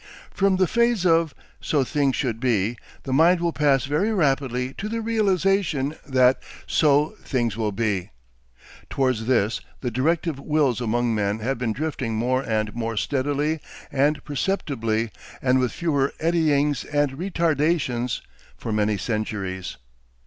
From the phase of "so things should be," the mind will pass very rapidly to the realisation that "so things will be." Towards this the directive wills among men have been drifting more and more steadily and perceptibly and with fewer eddyings and retardations, for many centuries.